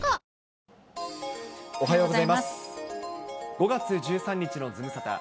５月１３日のズムサタ。